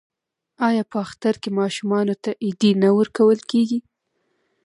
آیا په اختر کې ماشومانو ته ایډي نه ورکول کیږي؟